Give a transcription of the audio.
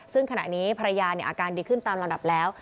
ซึ่งขณะนี้ภรรยาอาการดีขึ้นตามลำดับแล้ว